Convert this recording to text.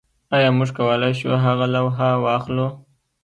ایا موږ کولی شو هغه لوحه واخلو